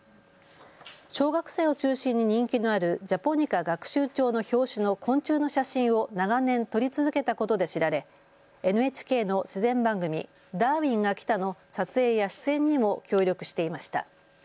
小学生を中心に人気のあるジャポニカ学習帳の表紙の昆虫の写真を長年撮り続けたことで知られ、ＮＨＫの自然番組、ダーウィンが来た！の撮影や出演にも協力していました。